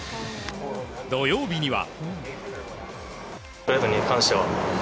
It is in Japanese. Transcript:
土曜日には。